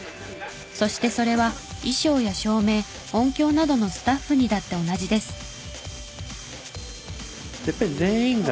そしてそれは衣装や照明音響などのスタッフにだって同じです。